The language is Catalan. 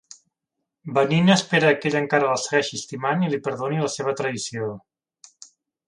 Vanina espera que ell encara la segueixi estimant i li perdoni la seva traïció.